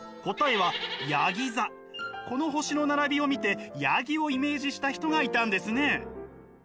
この星の並びを見てやぎをイメージした人がいたんですね。